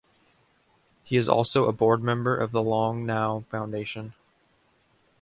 He is also a board member of the Long Now Foundation.